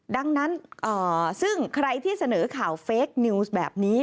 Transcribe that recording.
ดังนั้นซึ่งใครที่เสนอข่าวเฟคนิวส์แบบนี้